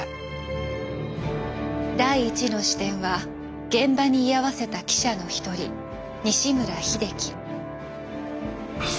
第１の視点は現場に居合わせた記者の一人西村秀樹。